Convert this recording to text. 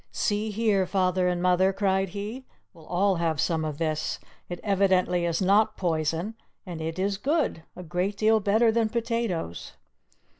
"See here, father and mother," cried he; "we'll all have some of this; it evidently is not poison, and it is good a great deal better than potatoes!"